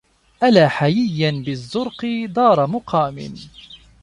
ألا حييا بالزرق دار مقام